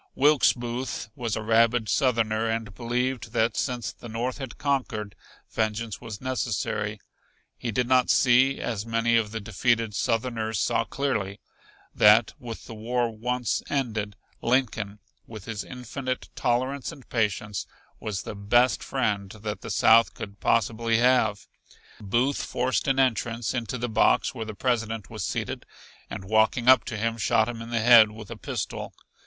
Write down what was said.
Wilkes Booth was a rabid Southerner and believed that since the North had conquered, vengeance was necessary. He did not see, as many of the defeated Southerners saw clearly, that with the war once ended Lincoln, with his infinite tolerance and patience, was the best friend that the South could possibly have. Booth forced an entrance into the box where the President was seated and walking up to him shot him in the head with a pistol.